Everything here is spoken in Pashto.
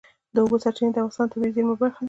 د اوبو سرچینې د افغانستان د طبیعي زیرمو برخه ده.